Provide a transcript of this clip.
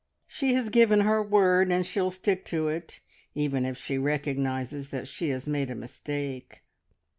She has given her word and she'll stick to it, even if she recognises that she has made a mistake.